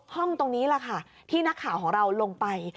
ตรงนี้แหละค่ะที่นักข่าวของเราลงไป